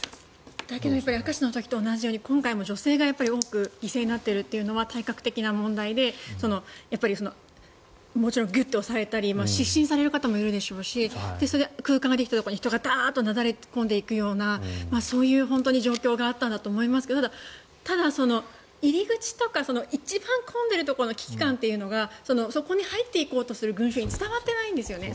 だけど明石の時と同じように今回も女性が多く犠牲になっているというのは体格的な問題でもちろんギュッて押されたり失神される方もいるでしょうしそれで空間ができたところに人がなだれ込んでいくようなそういう状況があったんだと思いますけどただ、入り口とか一番混んでるところの危機感というのがそこに入っていこうとする群衆に伝わっていないんですよね。